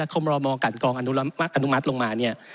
แล้วเขามารอมองกันกองอนุมัติลงมาเนี่ย